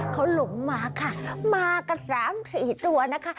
เขาหลงมาค่ะมากัน๓๔ตัวนะคะ